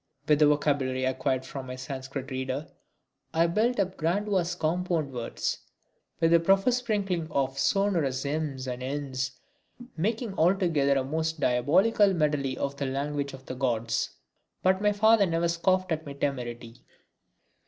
With the vocabulary acquired from my Sanskrit reader I built up grandiose compound words with a profuse sprinkling of sonorous 'm's and 'n's making altogether a most diabolical medley of the language of the gods. But my father never scoffed at my temerity.